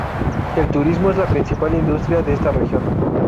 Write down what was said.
El turismo es la principal industria de esta región.